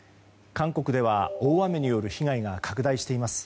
韓国では大雨による被害が拡大しています。